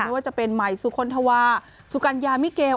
ไม่ว่าจะเป็นใหม่สุคลธวาสุกัญญามิเกล